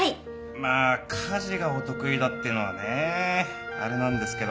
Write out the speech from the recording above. まあ家事がお得意だっていうのはねあれなんですけど。